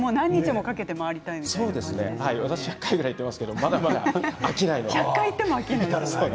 私１００回行ってますけどまだまだ飽きないです。